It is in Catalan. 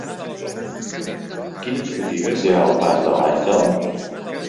Quines botigues hi ha al pas de l'Àngel?